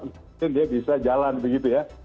mungkin dia bisa jalan begitu ya